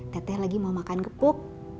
teteh lagi mau makan gepuk